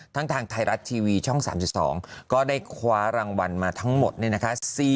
ทางไทยรัฐทีวีช่อง๓๒ก็ได้คว้ารางวัลมาทั้งหมดเนี่ยนะคะ